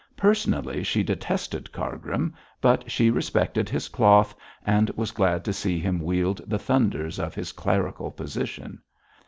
Personally she detested Cargrim, but she respected his cloth, and was glad to see him wield the thunders of his clerical position.